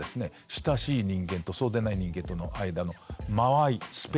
親しい人間とそうでない人間との間の間合いスペース